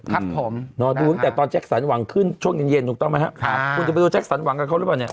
ครับผมนอนดูตั้งแต่ตอนแจ็คสันหวังขึ้นช่วงเย็นเย็นถูกต้องไหมครับคุณจะไปดูแจ็คสันหวังกับเขาหรือเปล่าเนี่ย